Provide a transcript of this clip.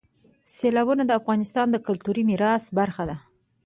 سیلابونه د افغانستان د کلتوري میراث برخه ده.